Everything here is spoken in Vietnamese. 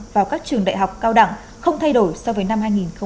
vào các trường đại học cao đẳng không thay đổi so với năm hai nghìn một mươi tám